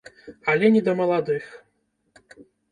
Але не да маладых.